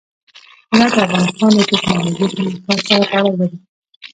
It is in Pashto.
هرات د افغانستان د تکنالوژۍ پرمختګ سره تړاو لري.